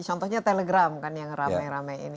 contohnya telegram kan yang ramai ramai ini